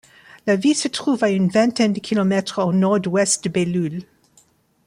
La ville se trouve à une vingtaine de kilométres au nord ouest de Beylul.